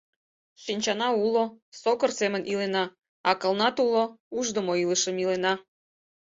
Шинчана уло — сокыр семын илена, акылнат уло — ушдымо илышым илена...